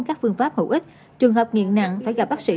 các phương pháp hữu ích trường hợp nghiện nặng phải gặp bác sĩ